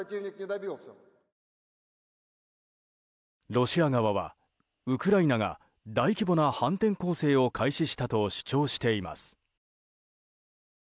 ロシア側は、ウクライナが大規模な反転攻勢を開始したと主張しています。